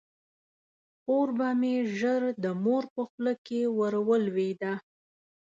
خور به مې ژر د مور په خوله کې ور ولویده.